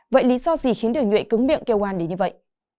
vậy lý do gì khiến đường nghệ cứng miệng kêu oan đến như vậy